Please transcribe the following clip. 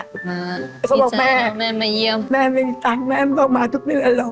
เขาบอกแม่แม่ไม่มีตังค์แม่ไม่ต้องมาทุกเรือนหรอก